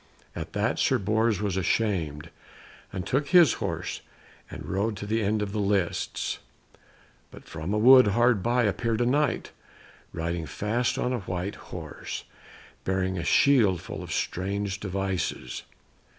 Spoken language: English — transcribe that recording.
At that Sir Bors was ashamed, and took his horse, and rode to the end of the lists. But from a wood hard by appeared a Knight riding fast on a white horse, bearing a shield full of strange devices.